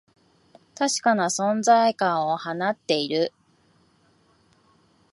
確かな存在感を放っている